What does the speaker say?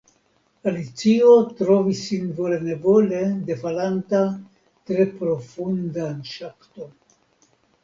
Alicio trovis sin vole nevole defalanta tre profundan ŝakton.